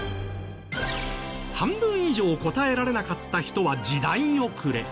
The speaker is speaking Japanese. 半分以上答えられなかった人は時代遅れ。